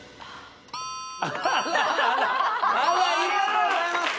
アハハハありがとうございます